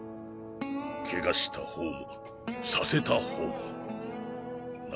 ケガした方もさせた方もな。